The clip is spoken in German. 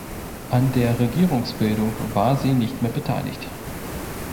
An der Regierungsbildung war sie nicht mehr beteiligt.